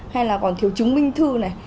hay là còn thiếu chứng minh thư này